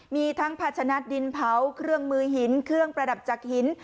มีทั้งพัชนะดินเผาเครื่องมือหินเครื่องประดับจากหิน